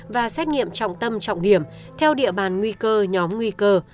và xét nghiệm trọng tâm trọng điểm theo địa bàn nguy cơ nhóm nguy cơ